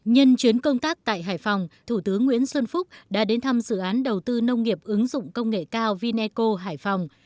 nhân chuyến công tác tại hải phòng thủ tướng nguyễn xuân phúc đã đến thăm dự án đầu tư nông nghiệp ứng dụng công nghệ cao vineco hải phòng